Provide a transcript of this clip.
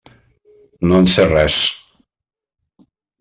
No en sé res.